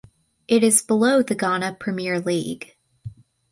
It is below the Ghana Premier League.